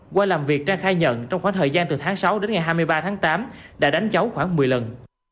qua làm việc trang khai nhận trong khoảng thời gian từ tháng sáu đến ngày hai mươi ba tháng tám đã đánh cháu khoảng một mươi lần